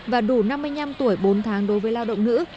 và đủ năm mươi năm tuổi bốn tháng đối với lao động nữ